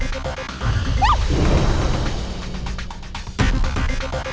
karena total liat sendiri